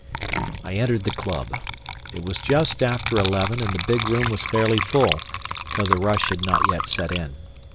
I entered the club. It was just after eleven, and the big room was fairly full, though the rush had not yet set in.